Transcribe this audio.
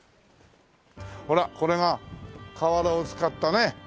ほらこれが瓦を使ったね